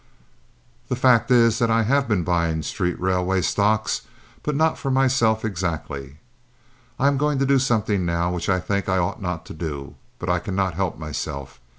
"The fact is that I have been buying street railway stocks, but not for myself exactly. I am going to do something now which I think I ought not to do, but I cannot help myself.